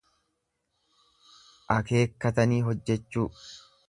Akeekkatanii hojjechuu.